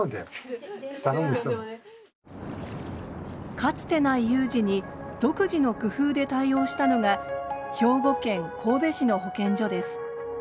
かつてない有事に独自の工夫で対応したのが兵庫県神戸市の保健所です。